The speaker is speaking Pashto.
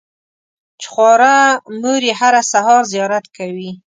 چې خواره مور یې هره سهار زیارت کوي.